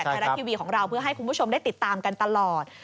ไทยรัฐทีวีของเราเพื่อให้คุณผู้ชมได้ติดตามกันตลอด